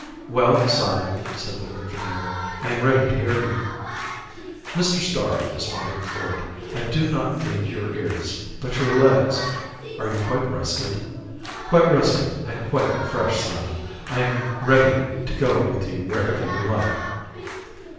"Well, Simon," said the engineer, "I am ready to hear you." "Mr. Starr," responded Ford, "I do not need your ears, but your legs. Are you quite rested?" "Quite rested and quite refreshed, Simon. I am ready to go with you wherever you like."